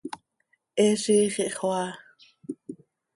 He ziix ihxoaa.